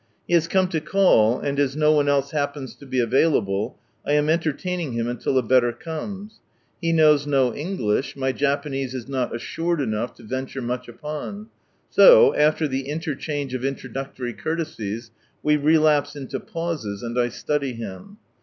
He has come to call, and as no one else happens to be available, I am entertaining him until a better comes. He knows no English, my Japanese is not assured enough to venture much upon ; so, after the interchange of introduc tory courtesies, we relapse into pauses, and I study him.